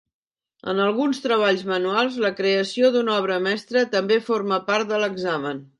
En alguns treballs manuals, la creació d'una obra mestra també forma part de l'examen.